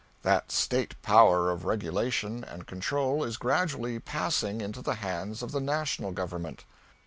"... That [State] power of regulation and control is gradually passing into the hands of the national government."